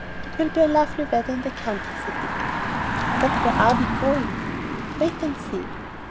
"It will be lovely weather in the country," said Dick. "But where are we going?" "Wait and see."